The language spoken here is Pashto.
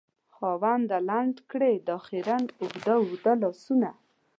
خاونده! لنډ کړې دا خیرن اوږده اوږده لاسونه